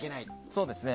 そうですね。